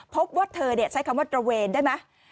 พบว่าเธอใช้คำว่าตระเวนได้ไหม